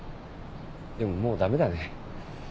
でももうダメだね。